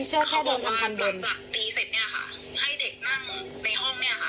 คุณเชื่อใช่โดนทำทำโดนเสร็จเนี้ยค่ะให้เด็กนั่งในห้องเนี้ยค่ะ